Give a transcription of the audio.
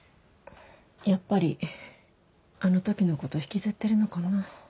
やっぱりあの時のこと引きずってるのかな。